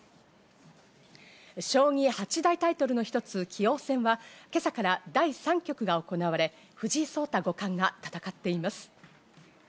将棋八大タイトルの一つ、棋王戦は今朝から第３局が行われ、藤井聡太五冠が戦っています。